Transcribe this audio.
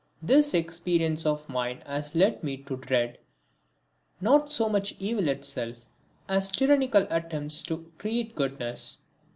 This experience of mine has led me to dread, not so much evil itself, as tyrannical attempts to create goodness.